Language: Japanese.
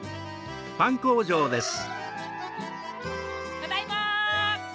ただいま！